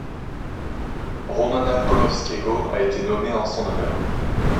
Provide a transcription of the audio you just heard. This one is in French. Romana Kozłowskiego a été nommé en son honneur.